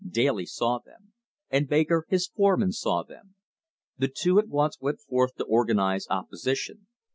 Daly saw them; and Baker, his foreman, saw them. The two at once went forth to organize opposition.